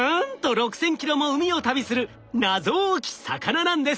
６，０００ｋｍも海を旅する謎多き魚なんです。